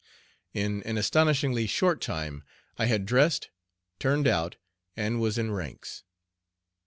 In an astonishingly short time I had dressed, "turned out," and was in ranks.